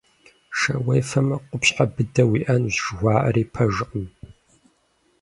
Шэ уефэмэ къупщхьэ быдэ уиӀэнущ жыхуаӀэри пэжкъым.